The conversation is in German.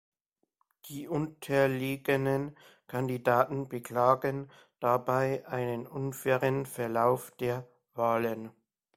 Die unterlegenen Kandidaten beklagten dabei einen unfairen Verlauf der Wahlen.